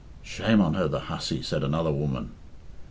"Shame on her, the hussy," said another woman.